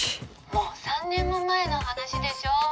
「もう３年も前の話でしょ」